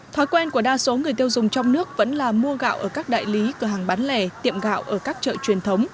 thói quen của đa số người tiêu dùng trong nước vẫn là mua gạo ở các đại lý cửa hàng bán lẻ tiệm gạo ở các chợ truyền thống